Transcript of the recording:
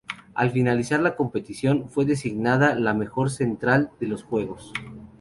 Al finalizar la competición, fue designada la mejor central de los Juegos.